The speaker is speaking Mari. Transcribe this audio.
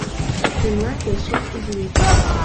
Шӱмлан келшен ужмеке.